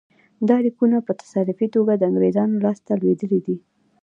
دا لیکونه په تصادفي توګه د انګرېزانو لاسته لوېدلي دي.